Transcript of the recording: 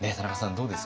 どうですか？